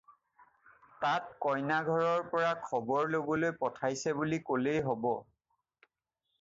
তাত কন্যা-ঘৰৰ পৰা খবৰ লবলৈ পঠিয়াইছে বুলি ক'লেই হ'ব।